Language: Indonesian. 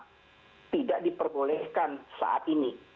yang menjadi norma tidak diperbolehkan saat ini